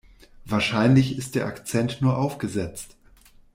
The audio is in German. Wahrscheinlich ist der Akzent nur aufgesetzt.